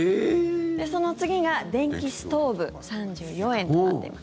その次が電気ストーブ、３４円となっています。